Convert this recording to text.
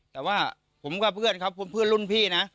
แต่ว่าผมกับเพื่อนครับเพื่อนรุ่นพี่นะ